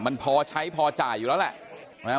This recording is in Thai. มันพอใช้พอจ่ายอยู่แล้วแหละ